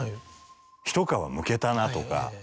ひと皮むけたなとか。